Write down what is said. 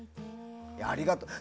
ありがとう。